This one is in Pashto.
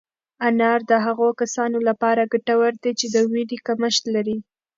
انار د هغو کسانو لپاره ګټور دی چې د وینې کمښت لري.